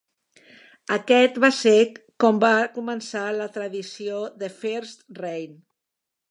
Aquest va ser com va començar la tradició de First Rain.